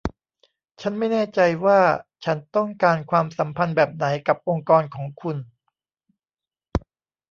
ฉันไม่แน่ใจว่าฉันต้องการความสัมพันธ์แบบไหนกับองค์กรของคุณ